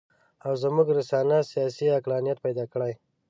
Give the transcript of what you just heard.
او زموږ رنسانس سیاسي عقلانیت پیدا کړي.